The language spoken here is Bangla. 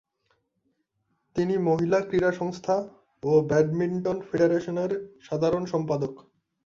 তিনি মহিলা ক্রীড়া সংস্থা ও ব্যাডমিন্টন ফেডারেশনের সাধারণ সম্পাদক।